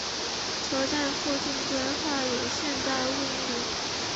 车站附近规划有现代物流区。